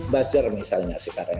bajar misalnya sekarang